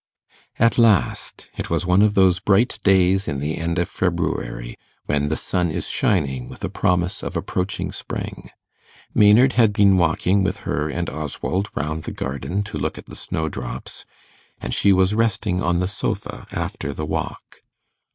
At last it was one of those bright days in the end of February, when the sun is shining with a promise of approaching spring. Maynard had been walking with her and Oswald round the garden to look at the snowdrops, and she was resting on the sofa after the walk.